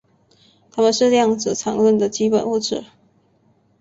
它们是量子场论的基本物质。